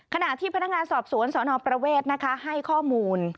ขณะที่พนักงานสอบสวนสนประเวทให้ข้อมูล